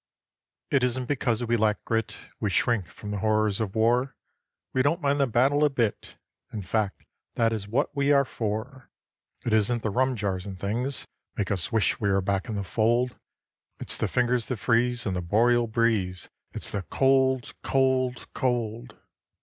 It isn't because we lack grit We shrink from the horrors of war. We don't mind the battle a bit; In fact that is what we are for; It isn't the rum jars and things Make us wish we were back in the fold: It's the fingers that freeze In the boreal breeze It's the COLD, COLD, COLD.